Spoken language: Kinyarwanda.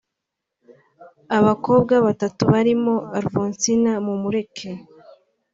Abakobwa batatu barimo Alphonsine Mumureke